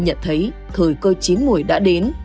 nhận thấy thời cơ chín mùi đã đến